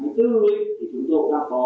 và tới đến từ thủ đô